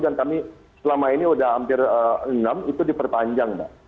dan kami selama ini sudah hampir enam itu diperpanjang mbak